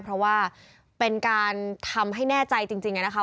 เพราะว่าเป็นการทำให้แน่ใจจริงนะคะ